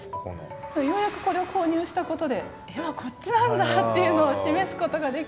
ようやくこれを購入したことで「絵はこっちなんだ！」っていうのを示すことができて。